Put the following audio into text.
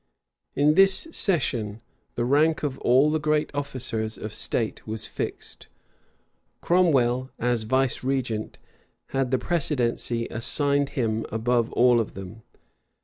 In this session, the rank of all the great officers of state was fixed: Cromwell, as vicegerent, had the precedency assigned him above all of them.